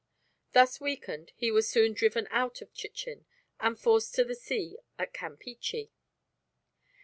Thus weakened he was soon driven out of Chichen, and forced to the sea at Campeachy.